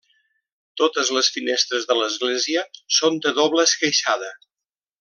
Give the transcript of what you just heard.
Totes les finestres de l'església són de doble esqueixada.